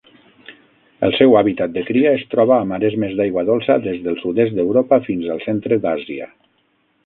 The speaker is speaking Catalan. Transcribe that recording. El seu hàbitat de cria es troba a maresmes d'aigua dolça des del sud-est d'Europa fins al centre d'Àsia.